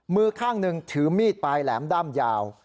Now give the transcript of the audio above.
มือข้างหนึ่งถือมีดปลายแหลมด้ามยาว